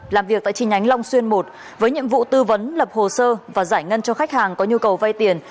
làm việc tại chi nhánh long xuyên một với nhiệm vụ tư vấn lập hồ sơ và giải ngân cho khách hàng có nhu cầu vay tiền